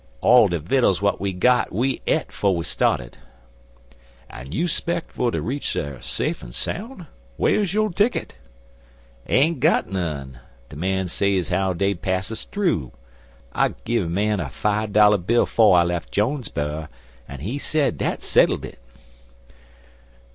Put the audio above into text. "All de vittles what we got we e't 'fo' we started." "An' you speck ter retch dar safe an soun'? Whar's yo' ticket?" "Ain't got none. De man say ez how dey'd pass us thoo. I gin a man a fi' dollar bill 'fo' I lef' Jonesboro, an' he sed dat settled it."